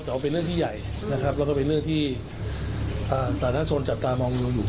แต่ว่าเป็นเรื่องที่ใหญ่นะครับแล้วก็เป็นเรื่องที่สาธารณชนจับตามองดูอยู่